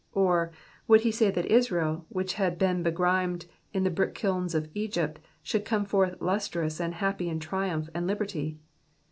Or, would he say that Israel, which had been begrimed in the brick klins of Egypt, should come forth lustrous and happy in triumph and liberty